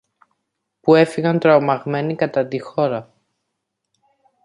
που έφευγαν τρομαγμένοι κατά τη χώρα.